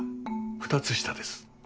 ２つ下です。